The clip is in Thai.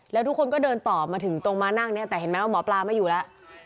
แล้วทุกคนก็เดินต่อมาถึงตรงมานั่งเนี่ยแต่เห็นไหมว่าหมอปลาไม่อยู่แล้ว